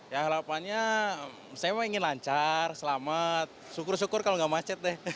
ya harapannya saya ingin lancar selamat syukur syukur kalau nggak macet deh